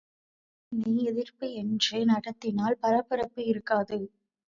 பிரிவினை எதிர்ப்பு என்று நடத்தினால் பரபரப்பு இருக்காது.